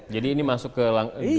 jadi ini masuk ke langkah langkah